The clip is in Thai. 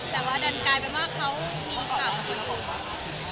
แต่ว่าดันกายไปมากเขามีข่าวว่าคืออะไร